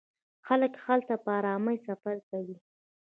خلک هلته په ارامۍ سفر کوي.